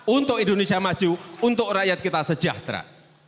untuk indonesia maju untuk rakyat kita sejahtera